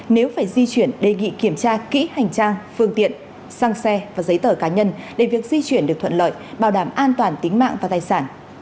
nếu phải di chuyển đề nghị kiểm tra kỹ hành trang phương tiện sang xe và giấy tờ cá nhân để việc di chuyển được thuận lợi bảo đảm an toàn tính mạng và tài sản